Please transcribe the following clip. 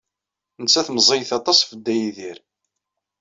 Nettat meẓẓiyet aṭas ɣef Dda Yidir.